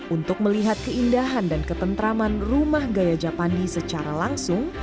untuk melihat keindahan dan ketentraman rumah gaya japandi secara langsung